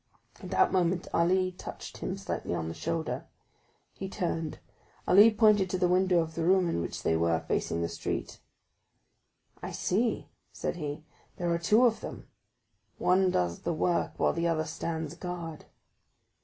At that moment Ali touched him slightly on the shoulder. He turned; Ali pointed to the window of the room in which they were, facing the street. "I see!" said he, "there are two of them; one does the work while the other stands guard."